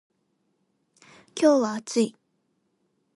今日は暑い。